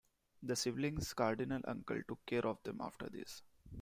The siblings' cardinal uncle took care of them after this.